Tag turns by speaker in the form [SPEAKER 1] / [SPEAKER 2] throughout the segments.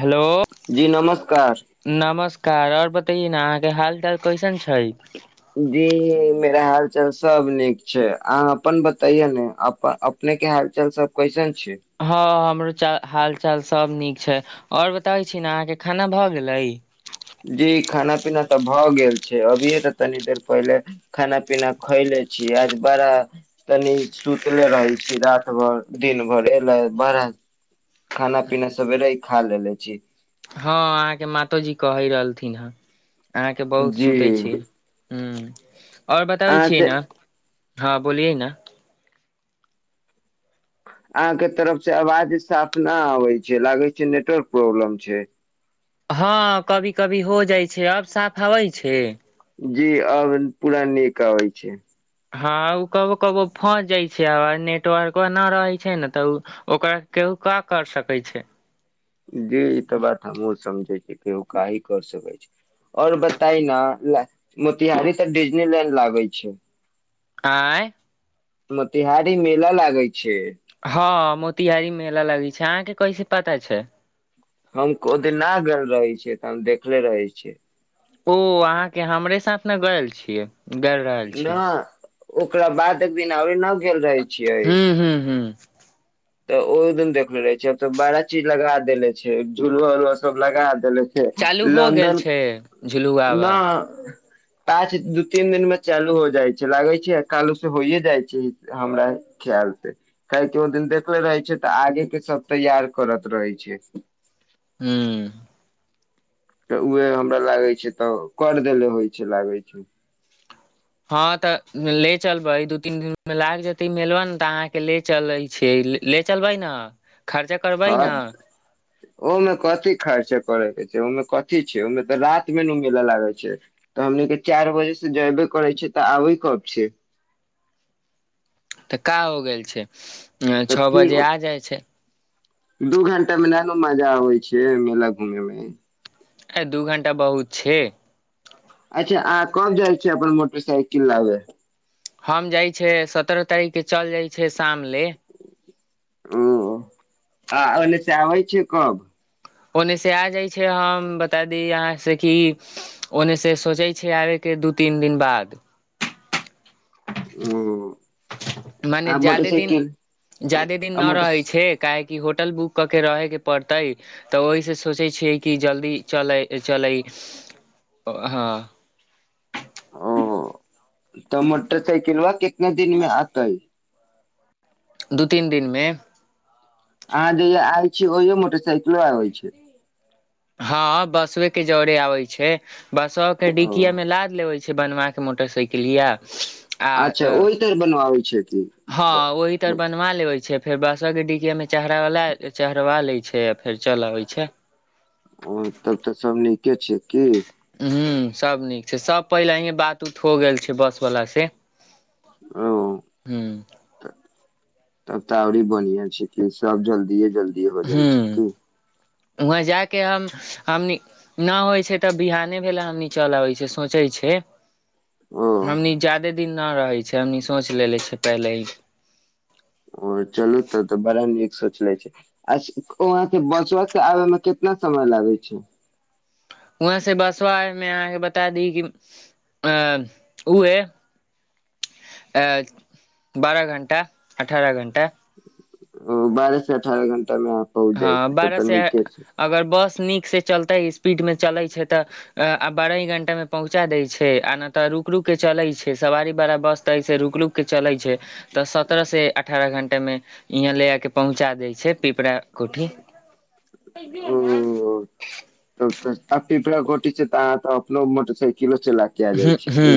[SPEAKER 1] Hello
[SPEAKER 2] जी नमस्कार
[SPEAKER 1] नमस कार ओर बतैये न अहाँ के हाल चाल कैसन छै
[SPEAKER 2] जी मेरा हाल चाल सब नीक छै अहाँ अपन बताइय ने अपन अपने के हाल चाल स सब कैसन छै
[SPEAKER 1] हाँ हमर हाल चाल सब नीक छै और बताबै छी अहाँके खाना भऽ गेलै
[SPEAKER 2] जी खाना पीना तऽ भऽ गेल छै अभियए तऽ तनी देर पहिले खाना पीना खैले छी आज बड़ा तनि सुतले रहै छी रात भर दिन भर एले बड़ खाना पीना सवेरे ही खा लेेले छी
[SPEAKER 1] हँ अहाँके मातो जी कहयि रहलथिन हाँ अहाँके बहुत
[SPEAKER 2] जी
[SPEAKER 1] सुते छी ह्म ओर बताबै
[SPEAKER 2] अहाँ
[SPEAKER 1] छियै
[SPEAKER 2] से
[SPEAKER 1] ने हाँ बोलियए ना
[SPEAKER 2] [inaudible] अहाँ के तरफ से आवाज साफ न आबै छै लागै छै नेटवर्क प्रॉब्लम छैइश
[SPEAKER 1] हां कभी कभी हो जाइ छै अब साफ अबैइ छै
[SPEAKER 2] जी आब पुरान नएका होइ छै
[SPEAKER 1] हँअ् उ कबो कबो फंस जाय छैइ आ नेटवर्क न रहै छै न तऽ ओकरा के का कर सकै छै
[SPEAKER 2] जी ई त बात हमहुं समझै छियै कि कोई काहि कर सकै छै और बताई न मोतिहारी तऽ डिजनीलैंड लागै छै
[SPEAKER 1] आँय
[SPEAKER 2] मोतीहारी मेला लागै छै
[SPEAKER 1] हां मोतिहारी मेला लागै छै अहाँके कैसे पता छै
[SPEAKER 2] हम ओदिन ना गेल रहै छियै तऽ हम देखले रहै छियै
[SPEAKER 1] ओ अहाँके हमरे साथ न गैल छियै गयल रहल
[SPEAKER 2] न
[SPEAKER 1] छी
[SPEAKER 2] ओकरा बाद एक दिन आरो न गेल रहै छियै
[SPEAKER 1] हूँ हूँ हूँ
[SPEAKER 2] तऽ ओ दिन देखले रहै छिअई त बड़ा चीज लगा देेले छिअइ झूलुआ उलुआ सब लगा देेले छै
[SPEAKER 1] चालू हो गेल
[SPEAKER 2] लन्दन
[SPEAKER 1] छै झुलुआबा
[SPEAKER 2] न पाँच दू तीन दिन मे चालू हो जाइ छै लागे छै कालू से होइये जाइ छै हमरा खेयाल से काहे कि ओ दिन देखले रहैइ छिये तऽ आगे के सब तैयार करत रहै छी
[SPEAKER 1] हूंअ्
[SPEAKER 2] तऽ उहे हमरा लागै छैइ तऽ कर देेले होइ छैइ लागै छैइ
[SPEAKER 1] हँअ् तऽ ले चलबै दू तीन दिनमे लाग जेतैइ मेलबा ने तऽ अहाँ के ले चलैइ छी ले चलबै न
[SPEAKER 2] हँअ् ओमे कथी खर्चा कर के तब ओयमे कथी छैइ ओईमे तऽ रातमे न मेला लागल छै तऽ हमनी केे चारि बजे से जएबे करै छै तऽ आबै कब छै
[SPEAKER 1] तऽ का हो गेइल छै अ
[SPEAKER 2] तऽ
[SPEAKER 1] छओ
[SPEAKER 2] फिर
[SPEAKER 1] बजे आ जाइ छै
[SPEAKER 2] दू घंटामे नानू मजा आबै छैइ मेला घुमेमे
[SPEAKER 1] अय दू घण्टा बहुत छे
[SPEAKER 2] अच्छा आहां कब जाइ छै अपन मोटरसइकिल लाबे
[SPEAKER 1] हम जाइ छै सतरह तारीख के चल जाइ छै शाम ले
[SPEAKER 2] ओ आ ओने से आबैइश छियइ कब
[SPEAKER 1] ओन्ने से आ जाइ छै हम बता दी आहाँ से कि ओने से सोचै छै आबे के दू तीन दिन बाद
[SPEAKER 2] ओ आ
[SPEAKER 1] माने जादे दिन
[SPEAKER 2] मोटरसाइकिल
[SPEAKER 1] जादे दिन
[SPEAKER 2] आ
[SPEAKER 1] न
[SPEAKER 2] मोटर
[SPEAKER 1] रहैइ छै एकाएक कि होटल बुक कऽ के रहे के पड़तै तऽ ओहिसँ सोचैय छियै कि जल्दी चलै चलै हाँ
[SPEAKER 2] ओहो तऽ मोटर सइकिलवा कितना दिनमे आतै
[SPEAKER 1] दू तीन दिन मे
[SPEAKER 2] अहाँ जहिया आय छी ओहियो मोटर साइकिलो आबै छै
[SPEAKER 1] हाँ बसवे के जौड़े आबैइ छै बसवा के
[SPEAKER 2] ओ
[SPEAKER 1] डिकिया मे लाद लेवै छै बनवा के मोटरसाइकिलया आ
[SPEAKER 2] अच्छा ओहि तर बनवाबै छै कि
[SPEAKER 1] हँ
[SPEAKER 2] ब-
[SPEAKER 1] ओहि तर
[SPEAKER 2] ब-
[SPEAKER 1] बनवा लेबै छै फेर बासवा के डिक्कीआ मे चढ़ चढ़बा ले छै आ फेर चल आबै छै
[SPEAKER 2] ओ तब तऽ सब नीके छै की
[SPEAKER 1] हूँ सब नीक छै सब पहिलहि बात उत हो गेल छै बस वाला से
[SPEAKER 2] ओ
[SPEAKER 1] हूँ
[SPEAKER 2] तब तऽ आओरी बन्हिआँ छिकी। सभ जल्दिए जल्दी हो जाइ
[SPEAKER 1] हुं
[SPEAKER 2] छिकी
[SPEAKER 1] वहाँ जायके हम हमनी ना होइ छै तऽ बिहाने भेले हमनी चल अबैइ छी सोंचैइ छै
[SPEAKER 2] [inaudible]
[SPEAKER 1] हमनी जादे दिन ना रहैइ छी हमनी सोच लेलेे छी पहिलही
[SPEAKER 2] ओ चलू तब तऽ बड़ा नीक सोचले छी अहाँ के बसवा से आबे मे कितना समय लागै छै
[SPEAKER 1] वहाँ से बसवा आवेमे आहाँके बता दी कि आ उहे अ बारह घण्टा अठारह घण्टा
[SPEAKER 2] ओ बारह से अठारह घंटा मे अहाँ पहुँच जाइ
[SPEAKER 1] हँ
[SPEAKER 2] छी तब
[SPEAKER 1] बारह
[SPEAKER 2] तऽ
[SPEAKER 1] से
[SPEAKER 2] नीके छै
[SPEAKER 1] अगर बस नीक से चलते स्पीड मे चले छै तऽ बारह घंटामे पहुँचा देै छै आ न तऽ तऽ रुक रुक के चलै छै सवारी बड़ा बस तऽ ऐस रुक रुक के चलै छै तऽ सत्रह से अठारह घंटामे यहाँ ले आ के पहुँच चा दै छै पीपरा कोठी
[SPEAKER 2] ओ तब आ पिपरा कोटी छै तऽ अहाँ तऽ अपनो मोटरसाइकिलो चला के आ जाइ छी की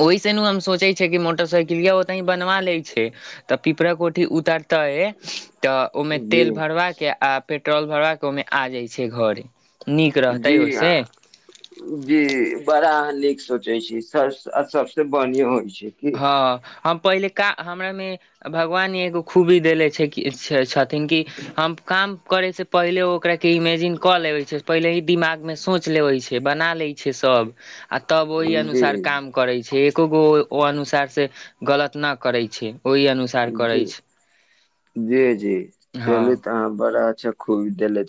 [SPEAKER 1] ओहि से नू हम सोचे छैे कि मोटरसाइकिलिया ओतहि बनवा ले छै तऽ पिपरा कोठी उतरतै तऽ ओहिमे
[SPEAKER 2] जी
[SPEAKER 1] तेल भरवा के आ पेट्रोल भरवा के ओहिमे आ जाइ छै घरे नीक
[SPEAKER 2] जी
[SPEAKER 1] रहतै ओहिसे
[SPEAKER 2] जी बड़ा अहाँ नीक सोचे छै सवसे बढ़ होइ छै की
[SPEAKER 1] हँ हम पहिले का हमरामे भगवान एगो खूबी देले छै छथिन कि हम काम करे से पहिले ओकरा के इमेजिन कऽ लेवे छिये पहिले ही दिमागमे सोच लेवे छी बना लेवै छै सब तब आ तब ओहि
[SPEAKER 2] जी
[SPEAKER 1] अनुसार काम करै छै एको गो ओ अनुसार से गलत न करै छै ओहि अनुसार
[SPEAKER 2] जी
[SPEAKER 1] करै छै
[SPEAKER 2] जी जी
[SPEAKER 1] हँ
[SPEAKER 2] चलू तऽ अहाँ बड़ा अच्छा खूब देेलथि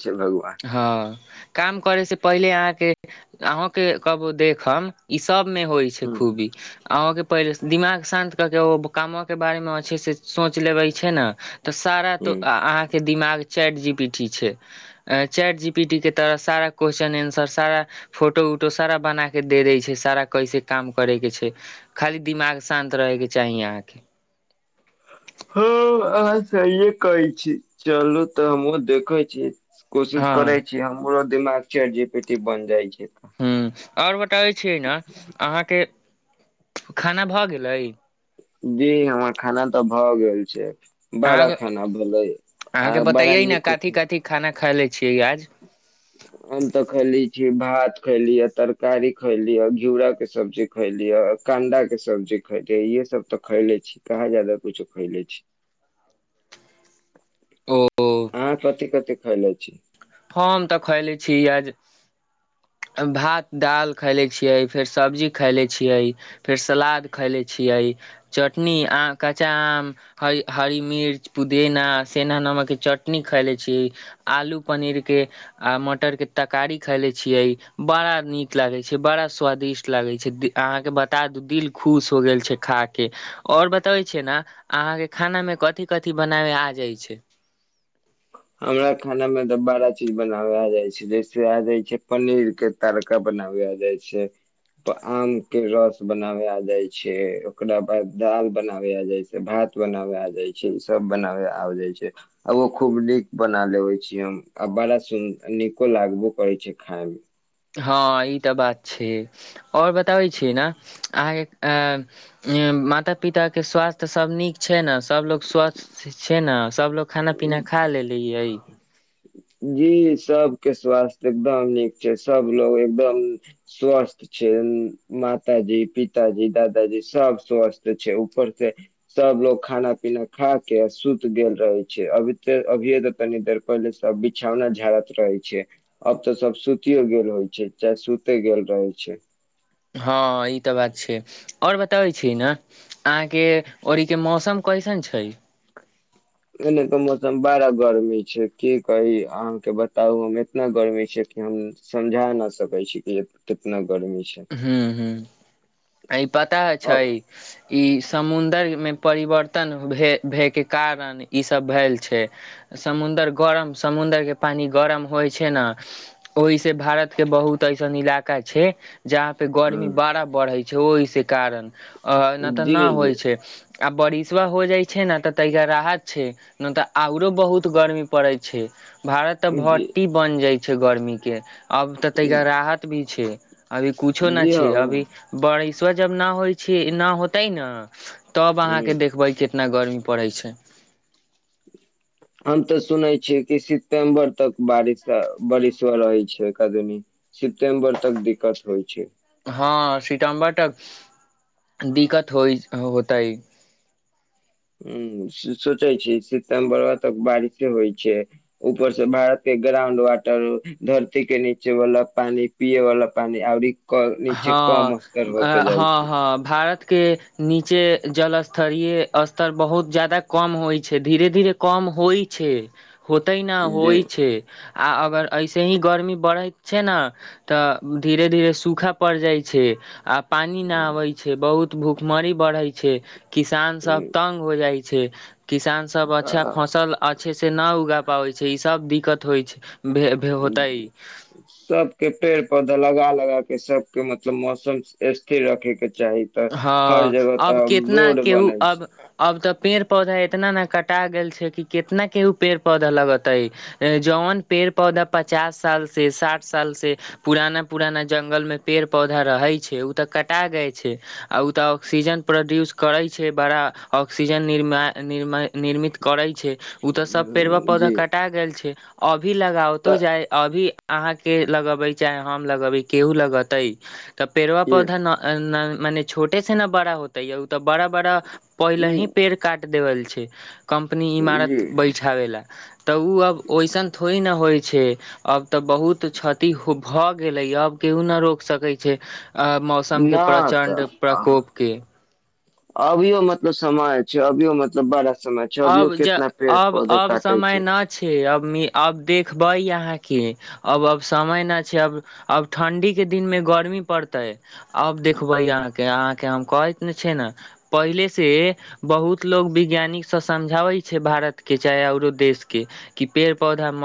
[SPEAKER 1] हँ काम करे से पहिले अहाँके अहँके कबू देखम ईसभ मे होइ छै
[SPEAKER 2] ह
[SPEAKER 1] खूबी अहाँके पहिले दिमाग शान्त कऽ कऽ ओ कामवाके बारेमे छै से सोचि लेबै छै ने तऽ सारा तऽ
[SPEAKER 2] ह
[SPEAKER 1] अहाँके दिमाग चैट जी पी टी छै चैट जी पी टी के तरह सारा क्वेशस्चन एंसर सारा फोटो उटो सारा बना के दे देय छै सारा कैसे काम करे के छै खाली दिमाग शान्त रहे के चाही अहाँके
[SPEAKER 2] [inaudible] हँ अहाँ सहिए कहै छी चलू तऽ हमहुँ देखै छीिय कोशिश
[SPEAKER 1] हँ
[SPEAKER 2] करे छी हमरो दिमाग चैट जी पी टी बन जाइ छै
[SPEAKER 1] ह्म आओर बताबै छियै ने अहाँके खाना भऽ गेलै
[SPEAKER 2] जी हमर खाना तऽ भऽ गेल छै बड़ा
[SPEAKER 1] अहाँ
[SPEAKER 2] खाना भेललै आ
[SPEAKER 1] अहाँके
[SPEAKER 2] बड़ा
[SPEAKER 1] बतैयै ने
[SPEAKER 2] नीको
[SPEAKER 1] कथी कथी खाना खयले छियै आज
[SPEAKER 2] हम तऽ खैयल छी भात खैली तरकारी खैली घिउराा के सब्जी खैली य कांदा के सब्जी खे इे सब तऽ खैले छी के जादा कुछो खैले छी
[SPEAKER 1] ओ
[SPEAKER 2] अहां कथि कथि खैले छी
[SPEAKER 1] हम तऽ खैले छी आज
[SPEAKER 2] [unintelligible]
[SPEAKER 1] भात दालि खैले छियै फेर सब्जी खैले छियै फेर सलाद खैले छियै चटनी कचा आम ह मिर्च पुदेना सेनधा नमक चटनी खायले छी आलू पनीर के आ मटर के तरकारी खायले छियै बड़ा नीक लागे छै बड़ा स्वादिष्ट लगै छै अहाँके बता दू दिल खुश हो गेल छै खा के आओर बतबै छियै ने अहाँके खानामे कथी कथी बनाबै आ जाइत छै
[SPEAKER 2] [unintelligible] हमरा खाना में तऽ बड़ा चीज बनावे आ जाय छै जैसे आ जाय छै पनीर के तड़का प बनाबे आय जाै छियै आम के रस बनावा जाइ छै ओकरा बाद दाल बनावेिया जाय छै भात बनावे आ जाय छै ई सब बनावे आब जाइ छै आ ओ हो खूब नीक बना लेबे छिय हम आ बड़ा सु नीको लागबो करे छै खाय म
[SPEAKER 1] हँ ई तऽ बात छै आओर बताबै छी ने अहाँके माता पिताके स्वास्थ्य सब नीक छै ने सभलोग स्वस्थ छै न सभलो खाना पीना खा लेलीयै
[SPEAKER 2] जी सबके स्वास्थ एकदम नीक छै सब लोग एकदम स्वस्थ छै मात जी पिताजी दादाजी सब स्वस्थ छै उपर के सब लोग खाना पीना खा के सुति गेल रहे छै अभी अभिय तऽ तनी देर पहिले सब बिछौना झाड़त रहे छै अब त सब सुतियो गेल होय छै चाहे सुते गेल रहे छै छै
[SPEAKER 1] हँ ई तऽ बात छै और बताबै छी ने अहाँके औरीक के मौसम कैसे न छै
[SPEAKER 2] [inaudible] एने के मौसम बड़ा गर्मी छै की कही अहाँके बताउ हम एतना गर्मी छै हम समझा न सकै छी कि कितना गर्मी छै
[SPEAKER 1] ह ह ई पता
[SPEAKER 2] अब
[SPEAKER 1] छै ई समु मे परिवर्तन भए के कारण ई सब भेल छै समुद्र ग समुद्र के पानी गरम होय छै ने ओहि से भारत के बहुत ऐसन इलाका छै छै जहाँ पे गर्मी
[SPEAKER 2] हम्म
[SPEAKER 1] बड़ा बढ़ै छै ओहिस कारण अ न त
[SPEAKER 2] जी
[SPEAKER 1] न
[SPEAKER 2] जी
[SPEAKER 1] होइ छै आ बरिशबा हो जाइ छै ने तइका राहत छै नहि तऽ आओरो बहुत गर्मी पड़ैत छै भारत त
[SPEAKER 2] जी
[SPEAKER 1] भट्टी बन जाय छै गर्मी के अब त तहिा राहत भी छै अभी कछो नहि
[SPEAKER 2] जी हँ
[SPEAKER 1] छै अभी बारिशबा जब नहि होइ छि न होतै न तब अहाँकेँ
[SPEAKER 2] हुँ
[SPEAKER 1] देखबै कितना गर्मी पड़ै छै
[SPEAKER 2] [inaudible] हम तऽ सुनै छियै कि सितम्बर तक बारिश बारिशबा रहै छै कदनी सितम्बर तक दिक्कत होइ छै
[SPEAKER 1] हाँ सितम्बर तक दिक्कत होइ होतइ
[SPEAKER 2] ह सोचै छी सितम्बर तक बारिशे होइ छै ऊपर से भारत के ग्राउंड वाटर धरती के नीचे वाला पानी पियै वाला पानी आओरी
[SPEAKER 1] हँ हँ
[SPEAKER 2] छै
[SPEAKER 1] हँ भारत के नीचे जल स्तरीय स्तर बहुत जायदा कम होइ छै धीरे धीरे कम होइ छै होतै न
[SPEAKER 2] जी
[SPEAKER 1] होइ छै आ अगर ऐसे ही गरमी बढ़ैत छै ने त धीरे धीरे सूखा पड़ जाइ छै आ पानी नहि आबै छै बहुत भूखमरी बरहै छै किसान सब
[SPEAKER 2] हम्म,
[SPEAKER 1] तंग हो जाइ छै किसान सब अच्छा
[SPEAKER 2] तऽ
[SPEAKER 1] फसल अच्छे से न उगा पाबै छै ई सब दिक्कत होइ छै भे, भे होतै
[SPEAKER 2] सबके पेड़ पौधा लगा ल गा के सबके मतलब मौसम स्थिर रखे के चाही तऽ हर
[SPEAKER 1] हँ
[SPEAKER 2] जगह तऽ
[SPEAKER 1] अब
[SPEAKER 2] आब
[SPEAKER 1] केितना
[SPEAKER 2] रोड
[SPEAKER 1] केहू
[SPEAKER 2] बनै
[SPEAKER 1] अब
[SPEAKER 2] छै
[SPEAKER 1] अब तऽ पेड़ पौधा इतना ने कटा गेल छै कि कितना केहु पेड़ पौधा लगतै जवन पेड़ पौधा पचास साल से साठ साल से पुराना पुराना जंगलमे पेड़ पौधा रहे छै उ ओत कटा गै छै आ ओ तऽ ऑक्सीजन प्रोड्यूस करै छै बड़ा ऑक्सीजन निर्मान निर्मा निर्मित करै छै ओ तऽ सब पेड़बा
[SPEAKER 2] हम्म,
[SPEAKER 1] पौधा
[SPEAKER 2] जी
[SPEAKER 1] कटा गेल छै अभी लगओतो
[SPEAKER 2] तऽ
[SPEAKER 1] जाइ अभी अहाँके लगेबै चाहे हम लगेबै केहू लगेतै त पेड़वा
[SPEAKER 2] ये
[SPEAKER 1] पौधा न न मने छोटे से ने बड़ा होते य ओ त बड़ा बड़ा पहिले ही
[SPEAKER 2] उ-
[SPEAKER 1] पेड़ काट देवल छै कम्पनी
[SPEAKER 2] जी
[SPEAKER 1] इमारत बैठाबै लए तऽ ओ अब ओइसन थोड़े न होइ छै आब तऽ बहुत क्षति भऽ गेलैय अब केहू नहि रोकि सकै छै आ
[SPEAKER 2] न
[SPEAKER 1] मौसमके प्रचण्ड
[SPEAKER 2] तऽ अहाँ-
[SPEAKER 1] प्रकोपके
[SPEAKER 2] अभियो मतलब समय छै अभियो मतलब बड़ा समय छै अभियो
[SPEAKER 1] अब जे
[SPEAKER 2] कितना पेड़
[SPEAKER 1] अब
[SPEAKER 2] पौधा
[SPEAKER 1] अब
[SPEAKER 2] काटे
[SPEAKER 1] समय न छै अब अब देखबे आहांके अब आब समय ना छै अब ठंडी की दिन मे गरमी पड़तै आब देखबै अहांके हम कहैत छी ना पहिले से बहुत लोग वैज्ञानिक से समझाबै छै भारत के चाहे औरो देश के कि पेड़ पौधा मे